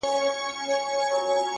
د رنگونو په اورونو کي يې ساه ده”